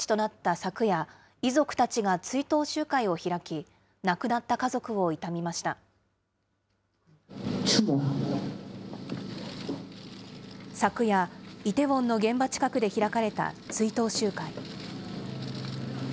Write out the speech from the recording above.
昨夜、イテウォンの現場近くで開かれた追悼集会。